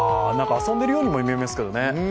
遊んでいるようにも見えますけどね。